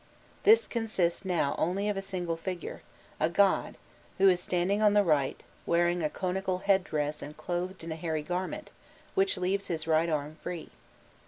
This consists now only of a single figure, a god, who is standing on the right, wearing a conical head dress and clothed in a hairy garment which leaves his right arm free.